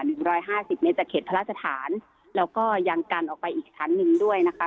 หนึ่งร้อยห้าสิบเมตรจากเขตพระราชฐานแล้วก็ยังกันออกไปอีกชั้นหนึ่งด้วยนะคะ